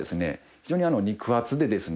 非常に肉厚でですね